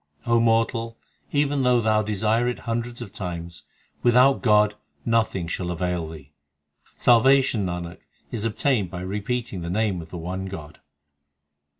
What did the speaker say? O mortal, even though thou desire it hundreds of times, Without God nothing shall avail thee. Salvation, Nanak, is obtained by repeating the name of the one God.